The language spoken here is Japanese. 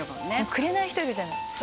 「くれない人いるじゃないですか」